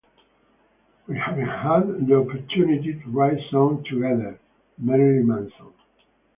We haven't had the opportunity to write songs together - Marilyn Manson.